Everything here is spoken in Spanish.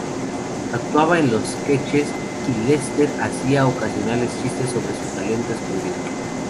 Actuaba en los sketches, y Lester hacía ocasionales chistes sobre su "talento escondido.